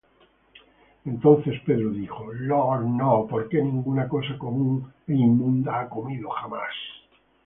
Entonces Pedro dijo: Señor, no; porque ninguna cosa común é inmunda he comido jamás.